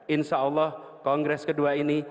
insya allah kongres kedua ini